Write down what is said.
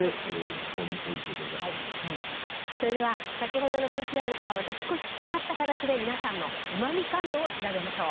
それでは先ほどのＶＴＲとはまた少し違った形で皆さんのうま味感度を調べましょう。